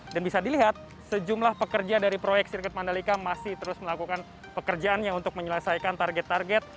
dan bisa dilihat sejumlah pekerja dari proyek sirkuit mandalika masih terus melakukan pekerjaannya untuk menyelesaikan target target